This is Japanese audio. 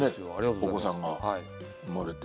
お子さんが生まれて。